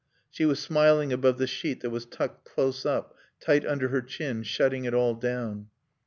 She was smiling above the sheet that was tucked close up, tight under her chin, shutting it all down.